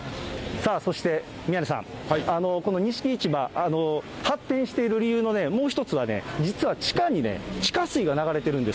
さあ、そして宮根さん、この錦市場、発展している理由のもう一つはね、実は、地下にね、地下水が流れてるんです。